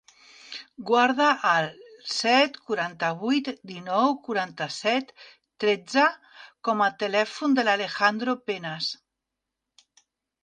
Guarda el set, quaranta-vuit, dinou, quaranta-set, tretze com a telèfon de l'Alejandro Penas.